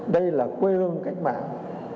đây là quê hương cách mạng